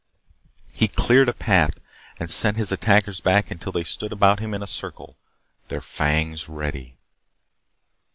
He cleared a path and sent his attackers back until they stood about him in a circle, their fangs ready.